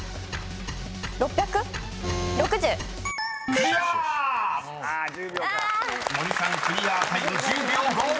クリアタイム１０秒５］